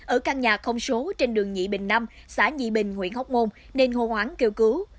ở căn nhà không số trên đường nhị bình năm xã nhị bình huyện hóc môn nên hô hoáng kêu cứu